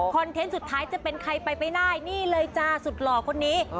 เทนต์สุดท้ายจะเป็นใครไปไม่ได้นี่เลยจ้าสุดหล่อคนนี้